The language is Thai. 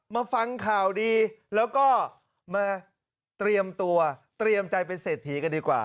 มาฟังข่าวดีแล้วก็มาเตรียมตัวเตรียมใจเป็นเศรษฐีกันดีกว่า